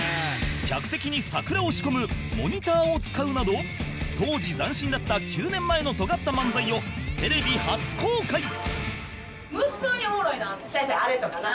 客席にサクラを仕込むモニターを使うなど当時斬新だった９年前のトガった漫才をテレビ初公開せやせやあれとかな。